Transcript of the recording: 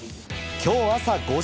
今日朝５時。